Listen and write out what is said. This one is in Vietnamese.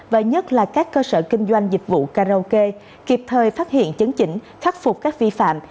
và nhất là các cơ sở kinh doanh dịch vụ karaoke kịp thời phát hiện chấn chỉnh khắc phục các vi phạm